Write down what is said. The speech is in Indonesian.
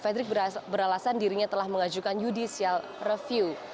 fredrik beralasan dirinya telah mengajukan judicial review